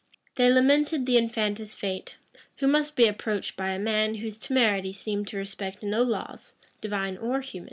They lamented the infanta's fate, who must be approached by a man whose temerity seemed to respect no laws, divine or human.